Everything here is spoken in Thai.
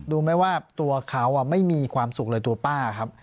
รู้ไหมว่าตัวเขาไม่มีความสุขเลยตัวป้าครับ